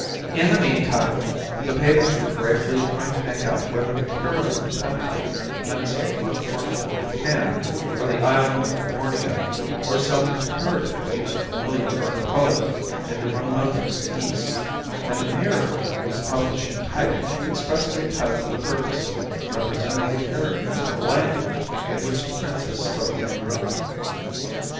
In the meantime the papers were gravely trying to make out whether the Cariboo country meant some remote portion of Japan, or the Island of Borneo, or some comparatively unfamiliar archipelago in the remotest East, and the "Mirror" was publishing type expressly cut for the purpose of representing the characters of the language in which the Princess spoke and wrote.